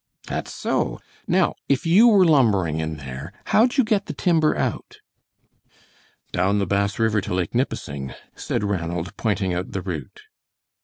"That's so! Now if you were lumbering in there, how'd you get the timber out?" "Down the Bass River to Lake Nipissing," said Ranald, pointing out the route.